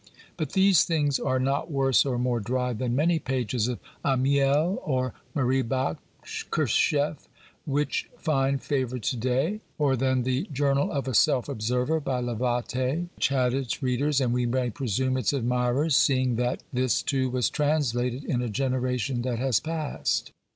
But these things are not worse or more dry than many pages of Amiel or Marie Bashkirtseff, which find favour to day, or than the " Journal of a Self Observer," by Lavater, which had its readers and, we may presume, its admirers, seeing that this, too, was translated, in a generation that has passed.